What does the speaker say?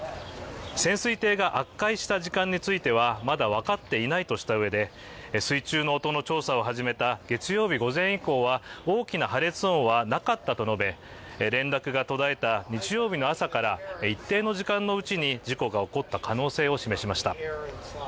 潜水艇が圧壊した時間についてはまだ分かっていないとしたうえで水中の音の調査を始めた月曜日午前以降は大きな破裂音はなかったと述べ連絡が途絶えた日曜日の朝から一定の時間のうちに事故が起こった可能性を示しました。